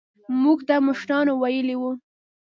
موږ ته مشرانو ويلي وو.